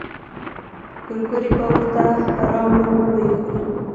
ګورګورې به ورته راوړو وبه يې خوري.